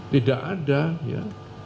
tidak ada ya